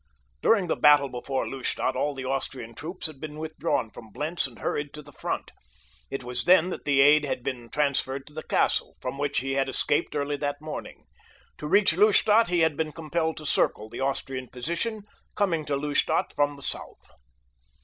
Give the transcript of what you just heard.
During the battle before Lustadt all the Austrian troops had been withdrawn from Blentz and hurried to the front. It was then that the aide had been transferred to the castle, from which he had escaped early that morning. To reach Lustadt he had been compelled to circle the Austrian position, coming to Lustadt from the south.